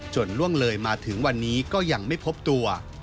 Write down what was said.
ล่วงเลยมาถึงวันนี้ก็ยังไม่พบตัว